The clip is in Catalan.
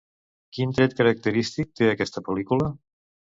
Quin tret característic té aquesta pel·lícula?